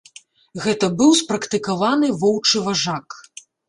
Гэта быў спрактыкаваны воўчы важак.